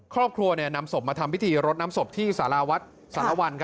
ครอบครัวเนี่ยนำศพมาทำพิธีสาราวัล